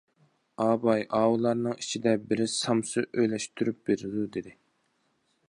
ئاباي ئاۋۇلارنىڭ ئىچىدە بىرى سامسا ئۈلەشتۈرۈپ بېرىدۇ دېدى.